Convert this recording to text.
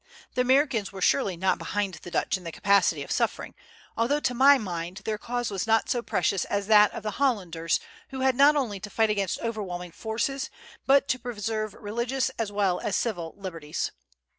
The Americans were surely not behind the Dutch in the capacity of suffering, although to my mind their cause was not so precious as that of the Hollanders, who had not only to fight against overwhelming forces, but to preserve religious as well as civil liberties.